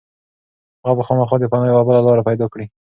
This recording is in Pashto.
هغه به خامخا د پناه یوه بله لاره پيدا کړي.